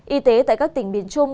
y tế tại các tỉnh miền trung